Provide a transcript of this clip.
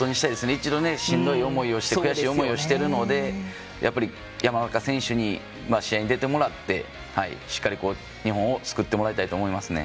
一度、しんどい思いをして悔しい思いをしてるので山中選手に試合に出てもらってしっかり日本を救ってもらいたいと思いますね。